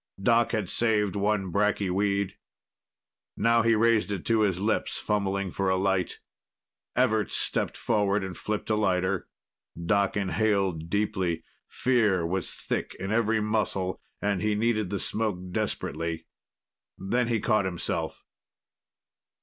Doc had saved one bracky weed. Now he raised it to his lips, fumbling for a light. Everts stepped forward and flipped a lighter. Doc inhaled deeply. Fear was thick in every muscle, and he needed the smoke desperately. Then he caught himself.